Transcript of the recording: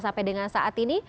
sampai dengan saat ini